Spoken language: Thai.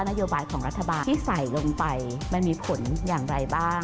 นโยบายของรัฐบาลที่ใส่ลงไปมันมีผลอย่างไรบ้าง